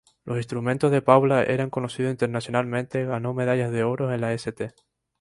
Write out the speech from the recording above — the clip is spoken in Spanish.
Los instrumentos de Paul eran conocidos internacionalmente: ganó medallas de oro en la St.